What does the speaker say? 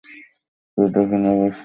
কেউ দেখেনি অবশ্য।